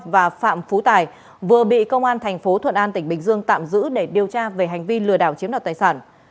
và phạm phú tài vừa bị công an thành phố thuận an tỉnh bình dương tạm giữ để điều tra về hành vi lừa đảo chiếm đoạt tài sản